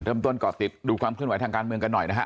เริ่มต้นก่อติดดูความขึ้นไหวทางการเมืองกันหน่อยนะฮะ